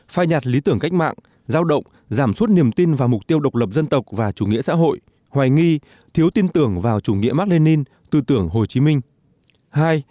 một pha nhạt lý tưởng cách mạng giao động giảm suốt niềm tin vào mục tiêu độc lập dân tộc và chủ nghĩa xã hội hoài nghi thiếu tin tưởng vào chủ nghĩa mạc lê ninh tư tưởng hồ chí minh